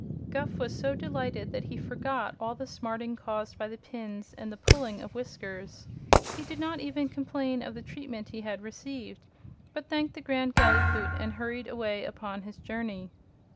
Guph was so delighted that he forgot all the smarting caused by the pins and the pulling of whiskers. He did not even complain of the treatment he had received, but thanked the Grand Gallipoot and hurried away upon his journey.